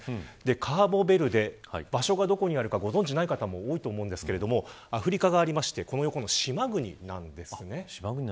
カーボベルデ場所がどこにあるかご存じない方も多いと思いますがアフリカがあってこの横の島国なんですね。